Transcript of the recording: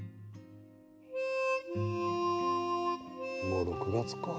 もう６月か。